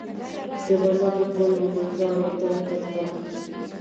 جبه زار، ګل و ګلزار و تل تر تله